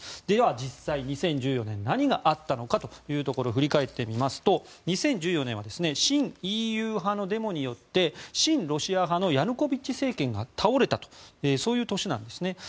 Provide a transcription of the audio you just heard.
では、実際に２０１４年何があったのかということを振り返ってみますと２０１４年は親ＥＵ派のデモによって親ロシア派のヤヌコビッチ政権が倒れたとそういう年なんですね。